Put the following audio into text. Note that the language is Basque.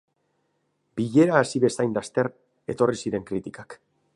Bilera hasi bezain laster etorri ziren kritikak.